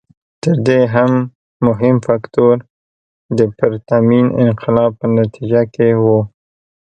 تر دې هم مهم فکټور د پرتمین انقلاب په نتیجه کې و.